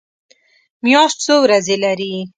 میاشت څو ورځې لري؟